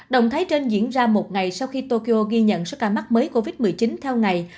động thái trên diễn ra một ngày sau khi tokyo ghi nhận số ca mắc mới covid một mươi chín theo ngày